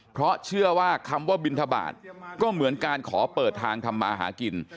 เพราะเชื่อว่าคำว่าบินทบาทก็เหมือนการขอเปิดทางทำมาหากิน